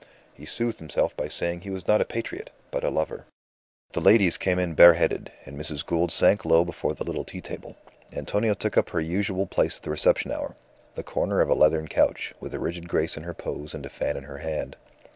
He soothed himself by saying he was not a patriot, but a lover. The ladies came in bareheaded, and Mrs. Gould sank low before the little tea table. Antonia took up her usual place at the reception hour the corner of a leathern couch, with a rigid grace in her pose and a fan in her hand.